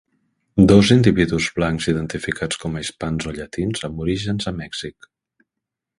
Dos individus blancs identificats com a hispans o llatins, amb orígens a Mèxic.